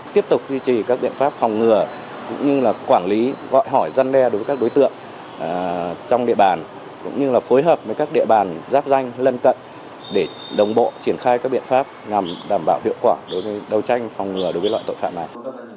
tiếp tục duy trì các biện pháp phòng ngừa cũng như là quản lý gọi hỏi dân đe đối với các đối tượng trong địa bàn cũng như là phối hợp với các địa bàn giáp danh lân cận để đồng bộ triển khai các biện pháp nhằm đảm bảo hiệu quả đối với đấu tranh phòng ngừa đối với loại tội phạm này